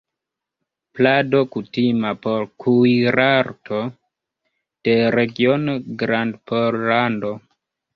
Plado kutima por kuirarto de regiono Grandpollando.